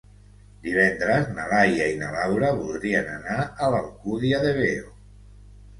Divendres na Laia i na Laura voldrien anar a l'Alcúdia de Veo.